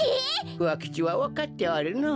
ふわ吉はわかっておるのう。